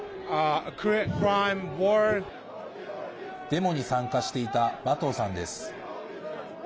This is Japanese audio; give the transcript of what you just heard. デモに参加していたバトゥさんです。